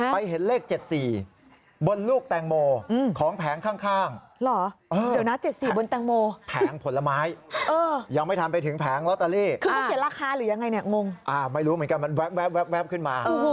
ไม่รู้เหมือนกันมันแว๊บขึ้นมา